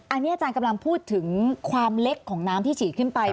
อันนี้อาจารย์กำลังพูดถึงความเล็กของน้ำที่ฉีดขึ้นไป